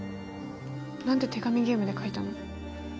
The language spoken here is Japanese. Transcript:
何で手紙ゲームで書いたの？